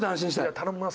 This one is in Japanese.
頼みます